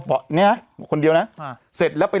บอกเนี่ยคนเดียวนะเสร็จแล้วไป